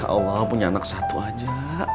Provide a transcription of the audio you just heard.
ya allah punya anak satu aja